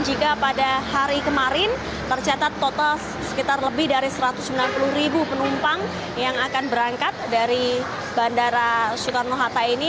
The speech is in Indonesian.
jika pada hari kemarin tercatat total sekitar lebih dari satu ratus sembilan puluh ribu penumpang yang akan berangkat dari bandara soekarno hatta ini